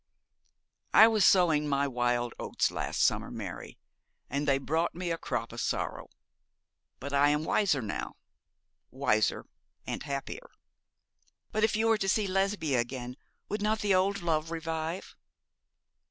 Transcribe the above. I was sowing my wild oats last summer, Mary, and they brought me a crop of sorrow. But I am wiser now wiser and happier. 'But if you were to see Lesbia again would not the old love revive?'